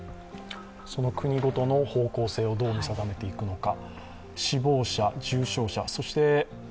その国ごとの方向性をどう見定めていくのか。